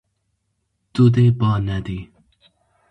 Tu dê ba nedî.